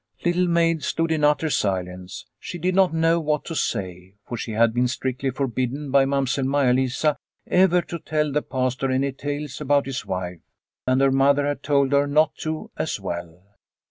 Little Maid stood in utter silence. She did not know what to say, for she had been strictly forbidden by Mamsell Maia Lisa ever to tell the Pastor any tales about his wife. And her 238 Liliecrona's Home mother had told her not to as well.